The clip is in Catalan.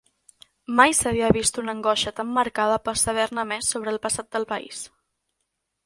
Mai s'havia vist una angoixa tan marcada per saber-ne més sobre el passat del país.